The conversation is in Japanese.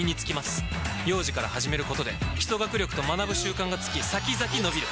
幼児から始めることで基礎学力と学ぶ習慣がつき先々のびる！